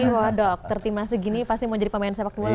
wah dokter timnas segini pasti mau jadi pemain sepak bola ya